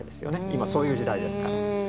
今そういう時代ですから。